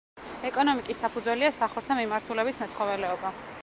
ეკონომიკის საფუძველია სახორცე მიმართულების მეცხოველეობა.